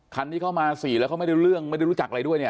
คันนี้เข้ามา๔แล้วเขาไม่ได้เรื่องไม่ได้รู้จักอะไรด้วยเนี่ย